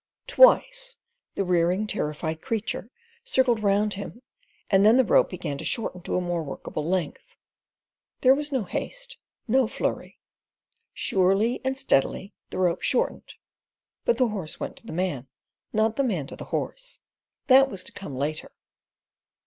Twice the rearing, terrified creature circled round him and then the rope began to shorten to a more workable length. There was no haste, no flurry. Surely and steadily the rope shortened (but the horse went to the man not the man to the horse; that was to come later).